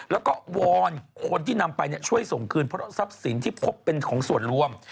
แล้วก็วอนคนที่นำไปช่วยส่งคืนเพราะทรัพย์สินที่พบเป็นของส่วนรวม